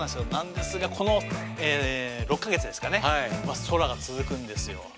なんですがこの６か月ですかね「空」が続くんですよ。